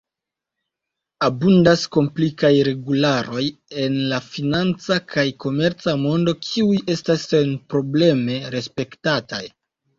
Abundas komplikaj regularoj en la financa kaj komerca mondo kiuj estas senprobleme respektataj.